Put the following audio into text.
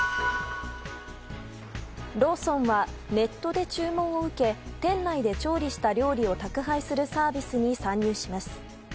ローソンはネットで注文を受け店内で調理した料理を宅配するサービスに参入します。